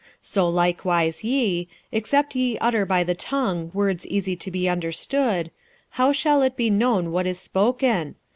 46:014:009 So likewise ye, except ye utter by the tongue words easy to be understood, how shall it be known what is spoken?